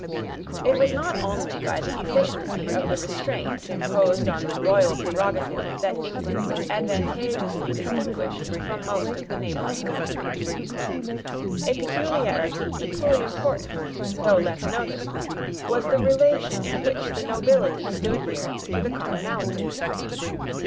It was not only by the efficiency of the restraints imposed on the royal prerogative that England was advantageously distinguished from most of the neighbouring countries. A: peculiarity equally important, though less noticed, was the relation in which the nobility stood here to the commonalty.